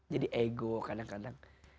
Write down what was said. jadi ego kadang kadang